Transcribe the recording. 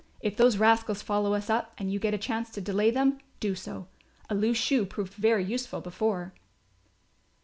If those rascals follow us up and you get a chance to delay them, do so. A loose shoe proved very useful before."